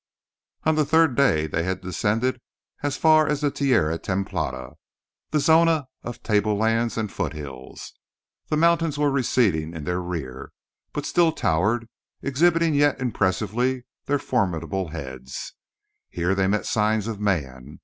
On the third day they had descended as far as the tierra templada, the zona of the table lands and foot hills. The mountains were receding in their rear, but still towered, exhibiting yet impressively their formidable heads. Here they met signs of man.